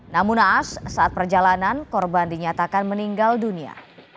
namun naas saat perjalanan korban dinyatakan meninggal dunia